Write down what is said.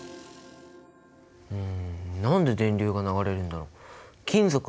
うん何で電流が流れるんだろう？